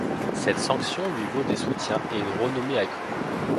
Cette sanction lui vaut des soutiens et une renommée accrue.